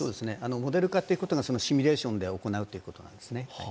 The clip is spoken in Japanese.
モデル化ということがシミュレーションで行うということいなんですね。